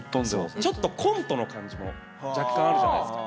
ちょっとコントの感じも若干あるじゃないですか。